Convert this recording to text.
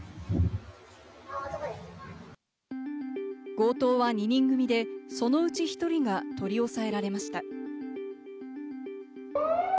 強盗は２人組で、そのうち１人が取り押さえられました。